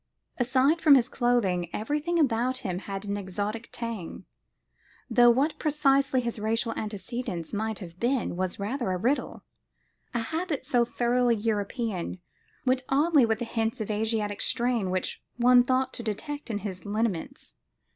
Aside from his clothing, everything about him had an exotic tang, though what precisely his racial antecedents might have been was rather a riddle; a habit so thoroughly European went oddly with the hints of Asiatic strain which one thought to detect in his lineaments.